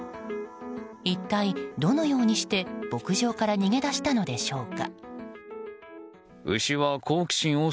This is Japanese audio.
一体どのようにして牧場から逃げ出したのでしょうか。